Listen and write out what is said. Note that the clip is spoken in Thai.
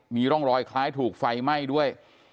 มีร่องรอยคล้ายถูกไฟไหม้ด้วย